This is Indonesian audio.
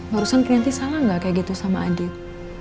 barusan keganti salah nggak kayak gitu sama adit